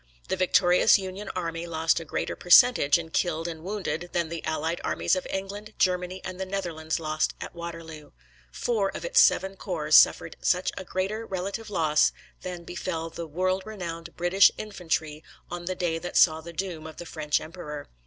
The victorious Union army lost a greater percentage in killed and wounded than the allied armies of England, Germany, and the Netherlands lost at Waterloo. Four of its seven corps suffered each a greater relative loss than befell the world renowned British infantry on the day that saw the doom of the French emperor.